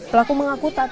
pelaku mengaku tak tahan